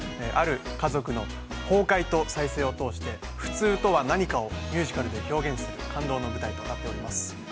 ある家族の崩壊と再生を通して普通とは何か？を、ミュージカルで表現する感動の舞台となっております。